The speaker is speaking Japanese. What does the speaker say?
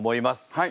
はい。